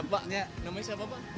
pak namanya siapa pak